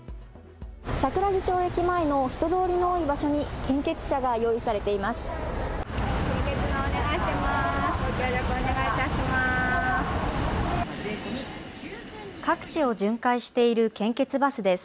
桜木町駅前の人通りの多い場所に献血車が用意されています。